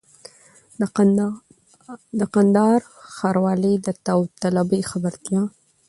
د کندهار ښاروالۍ د داوطلبۍ خبرتیا!